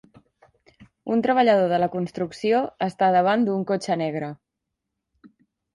Un treballador de la construcció està davant d'un cotxe negre.